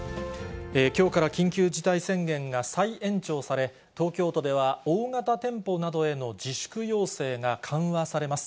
きょうから緊急事態宣言が再延長され、東京都では大型店舗などへの自粛要請が緩和されます。